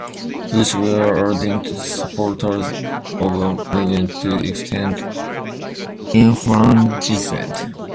Both were ardent supporters of a movement to extend enfranchisement.